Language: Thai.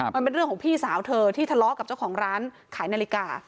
มันเป็นเรื่องของพี่สาวเธอที่ทะเลาะกับเจ้าของร้านขายนาฬิกา